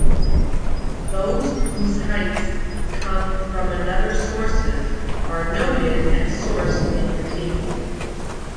Those whose heights come from another sources are noted and sourced in the table.